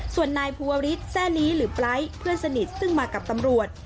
ส่วนนายภูวริสแซ่ลีหรือไร้เพื่อนสนิทซึ่งมากับตำรวจ